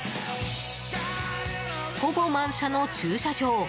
ほぼ満車の駐車場。